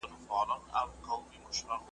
د مغان د پیر وصیت مي دی په غوږ کي ,